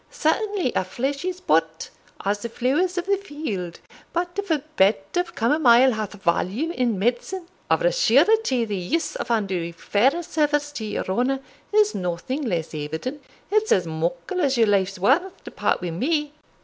Certainly a' flesh is but as the flowers of the field; but if a bed of camomile hath value in medicine, of a surety the use of Andrew Fairservice to your honour is nothing less evident it's as muckle as your life's worth to part wi' me."